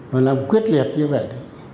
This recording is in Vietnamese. và làm quyết liệt như vậy